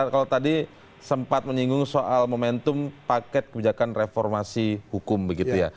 kalau tadi sempat menyinggung soal momentum paket kebijakan reformasi hukum begitu ya